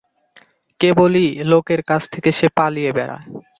কেবলই লোকের কাছ থেকে সে পালিয়ে বেড়ায়।